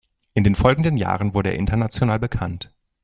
In den folgenden Jahren wurde er international bekannt.